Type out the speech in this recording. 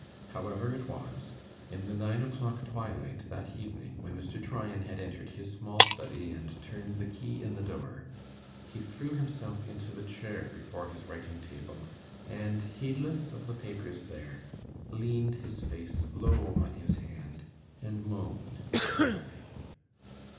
However it was, in the nine o'clock twilight that evening, when Mr. Tryan had entered his small study and turned the key in the door, he threw himself into the chair before his writing table, and, heedless of the papers there, leaned his face low on his hand, and moaned heavily.